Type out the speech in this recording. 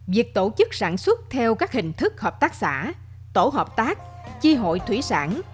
việc tổ chức sản xuất theo các hình thức hợp tác xã tổ hợp tác chi hội thủy sản